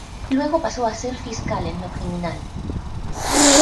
Luego pasó a ser fiscal en lo criminal.